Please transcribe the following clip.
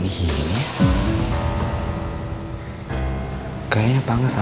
gue adikku beliin adik gue